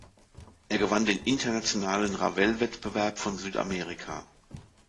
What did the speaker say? Er gewann den internationalen Ravel-Wettbewerb von Südamerika.